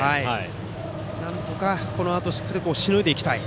なんとかこのあとしっかりしのいでいきたい。